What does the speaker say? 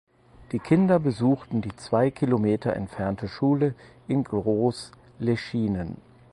Die Kinder besuchten die zwei Kilometer entfernte Schule in Groß Leschienen.